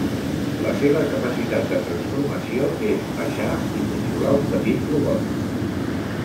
La seva capacitat de transformació és baixar i controlar un petit robot.